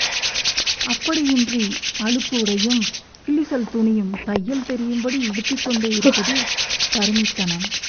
அப்படியின்றி, அழுக்குடையும் கிழிசல் துணியும் தையல் தெரியும்படி உடுத்திக் கொண்டே இருப்பது கருமித்தனம்.